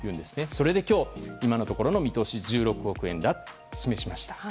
それで今日、今のところ見通し１６億円だと示しました。